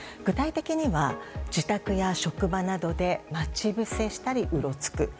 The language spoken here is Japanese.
具体的には、自宅や職場などで待ち伏せしたりうろつく。